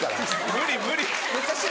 無理無理。